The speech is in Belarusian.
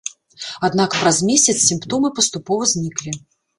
Аднак праз месяц сімптомы паступова зніклі.